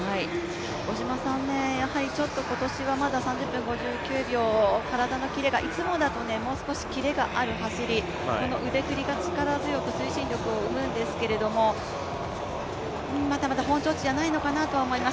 五島さんやはり今年はちょっと３０分５９秒、体のキレが、いつもだともう少しキレのある走り、腕振りが推進力を生むんですけど、まだまだ本調子じゃないのかなと思います。